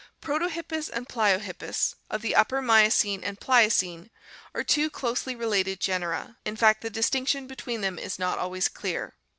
Proiohippus and Pliohippus (Figs. 222, 223) of the Upper Miocene and Pliocene are two closely related genera, in fact the distinction between them is not always clear.